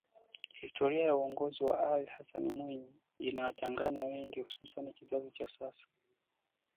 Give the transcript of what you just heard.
historia ya uongozi wa Alli Hassani Mwinyi inawachanganya wengi hususani kizazi cha sasa